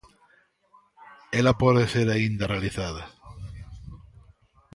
Ela pode ser aínda realizada.